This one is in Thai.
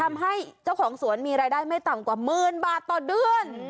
ทำให้เจ้าของสวนมีรายได้ไม่ต่ำกว่าหมื่นบาทต่อเดือน